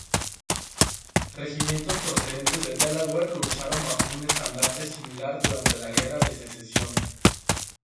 Regimientos procedentes de Delaware lucharon bajo un estandarte similar durante la Guerra de Secesión